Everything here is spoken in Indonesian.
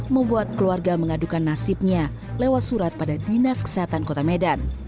membuat keluarga mengadukan nasibnya lewat surat pada dinas kesehatan kota medan